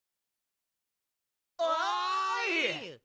おい！